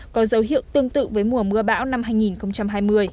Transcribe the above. có dấu hiệu tương tự với mùa mưa bão năm hai nghìn hai mươi